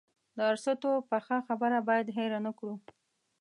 د ارسطو پخه خبره باید هېره نه کړو.